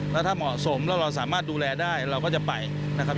แล้วถ้าเหมาะสมแล้วเราสามารถดูแลได้เราก็จะไปนะครับ